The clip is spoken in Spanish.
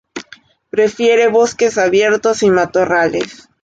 Prefiere bosques abiertos y matorrales.